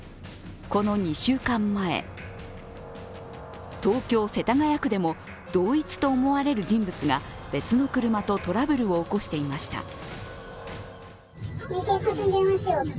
この２週間前、東京・世田谷区でも同一と思われる人物が別の車とトラブルを起こしていました。